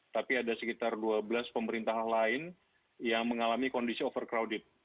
tapi ada sekitar dua belas pemerintah lain yang mengalami kondisi overcrowded